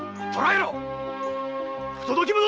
不届き者！